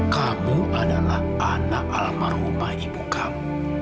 kamu adalah anak alam merupai ibu kamu